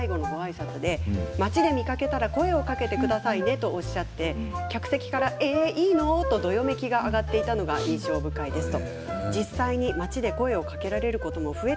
宝塚を退団する日の最後のあいさつで町で見かけたら声かけてくださいねとおっしゃって客席から、いいの？とどよめきが上がっていたのが印象的でした。